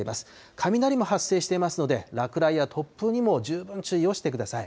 雷も発生していますので、落雷や突風にも十分注意をしてください。